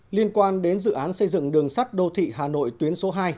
liên quan đến dự án xây dựng đường sắt đô thị hà nội tuyến số hai